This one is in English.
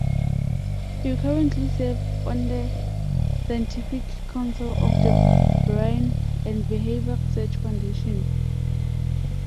He currently serves on the Scientific Council of the Brain and Behavior Research Foundation.